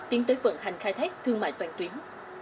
tiến tới vận hành khai thác thương mại toàn tuyến